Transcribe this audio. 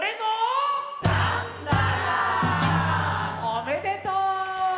おめでとう！